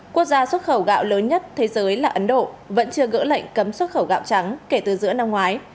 quốc gia xuất khẩu gạo lớn nhất thế giới là ấn độ vẫn chưa gỡ lệnh cấm xuất khẩu gạo trắng kể từ giữa năm ngoái